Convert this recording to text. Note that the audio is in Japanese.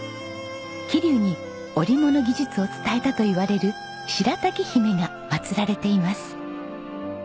桐生に織物技術を伝えたといわれる白瀧姫がまつられています。